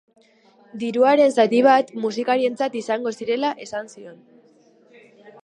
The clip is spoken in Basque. Diruaren zati bat musikarientzat izango zirela esan zion.